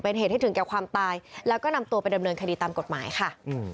เป็นเหตุให้ถึงแก่ความตายแล้วก็นำตัวไปดำเนินคดีตามกฎหมายค่ะ